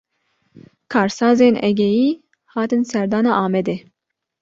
Karsazên Egeyî, hatin serdana Amedê